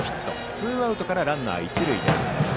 ツーアウトからランナー一塁です。